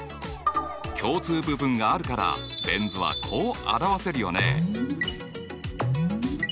共通部分があるからベン図はこう表せるよね。